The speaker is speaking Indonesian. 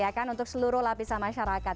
ya kan untuk seluruh lapisan masyarakat